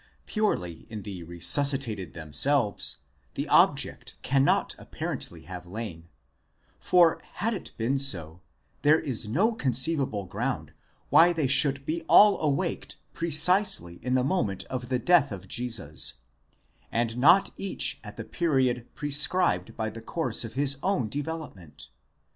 8 Purely in the resuscitated them 'selves the object cannot apparently have lain, for had it been so, there is no conceivable ground why they should be all awaked precisely in the moment of the death of Jesus, and not each at the period prescribed by the course of his own development.